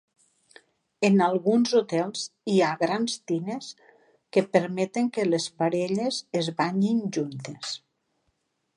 En alguns hotels hi ha grans tines que permeten que les parelles es banyin juntes.